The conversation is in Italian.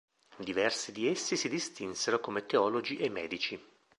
Diversi di essi si distinsero come teologi e medici.